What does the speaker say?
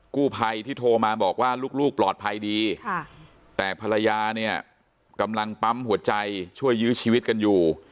กู้ภัยที่โทรมาบอกว่าลูกปลอดภัยดีแต่ภรรยาเนี่ยกำลังปั๊มหัวใจช่วยยื้อชีวิตกันอยู่